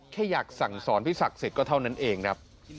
แค่อยากสั่งสอนพี่ศักดิ์สิทธิ์เท่านั้นเองครับ